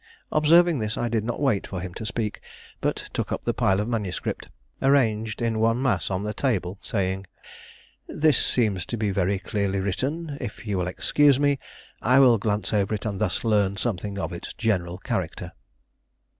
Observing this, I did not wait for him to speak, but took up the pile of manuscript, arranged in one mass on the table, saying: "This seems to be very clearly written; if you will excuse me, I will glance over it and thus learn something of its general character."